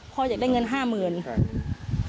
พ่ออยากได้เงิน๕๐๐๐๐บาท